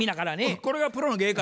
「これがプロの芸か」